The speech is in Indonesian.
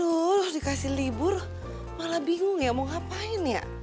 aduh dikasih libur malah bingung ya mau ngapain ya